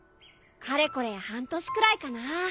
かれこれ半年くらいかな。